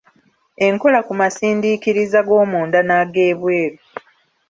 Enkola ku masindiikiriza g’omunda n’ag’ebweru